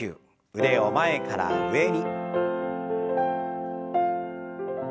腕を前から上に。